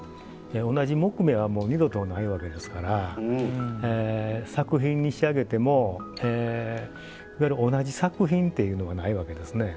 同じ木目は二度とないわけですから作品に仕上げてもいわゆる同じ作品っていうのがないわけですね。